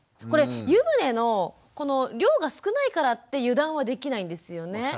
これ湯船のこの量が少ないからって油断はできないんですよね？